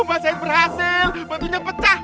masahit berhasil batunya pecah